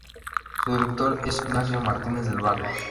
Su director es Ignacio Martínez del Barrio.